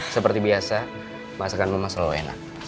seperti biasa masakan memak selalu enak